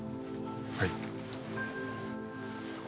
はい。